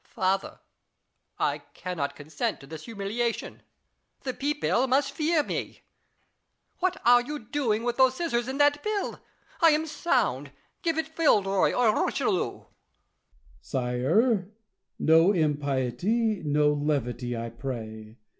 Louis. Father, I cannot consent to this humiliation : the people must fear me. What are you doing with those scissors and that pill 1 I am sound ; give it Villeroy or Richelieu. La Chaise. Sire, no impiety, no levity, I pray.